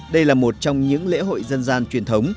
đây là một trong những lễ hội dân gian truyền thống